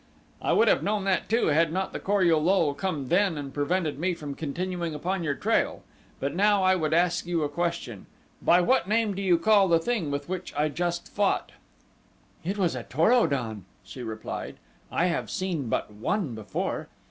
"I would have known that, too, had not the Kor ul lul come then and prevented me continuing upon your trail. But now I would ask you a question by what name do you call the thing with which I just fought?" "It was a Tor o don," she replied. "I have seen but one before.